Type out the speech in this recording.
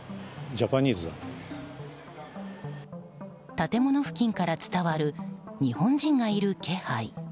建物付近から伝わる日本人がいる気配。